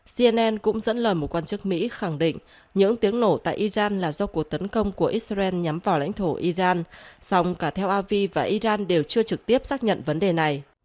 cnn cũng dẫn lời một quan chức mỹ khẳng định những tiếng nổ tại iran là do cuộc tấn công của israel nhắm vào lãnh thổ iran song cả theo avi và iran đều chưa trực tiếp xác nhận vấn đề này